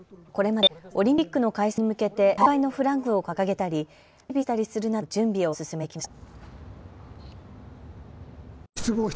これまでオリンピックの開催に向けて大会のフラッグを掲げたり街灯を整備したりするなどの準備を進めてきました。